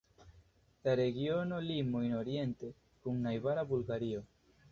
La regiono limojn oriente kun najbara Bulgario.